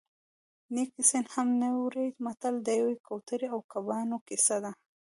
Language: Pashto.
نیکي سین هم نه وړي متل د یوې کوترې او کبانو کیسه ده